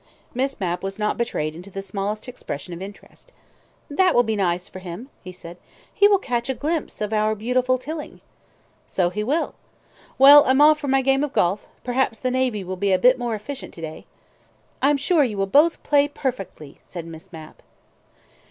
Miss Mapp was not betrayed into the smallest expression of interest. "That will be nice for him," she said. "He will catch a glimpse of our beautiful Tilling." "So he will! Well, I'm off for my game of golf. Perhaps the Navy will be a bit more efficient to day." "I'm sure you will both play perfectly!" said Miss Mapp.